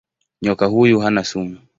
Nyoka huyu hana sumu.